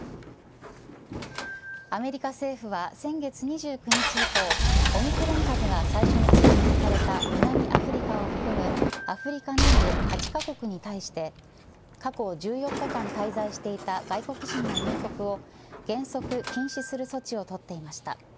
アメリカ政府は先月２９日以降オミクロン株が最初に確認された南アフリカを含むアフリカ南部８カ国に対して過去１４日間滞在していた外国人の入国を原則禁止する措置を取っていました。